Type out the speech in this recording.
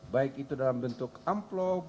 baik itu dalam bentuk amplop